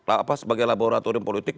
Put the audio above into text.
apa sebagai laboratorium politik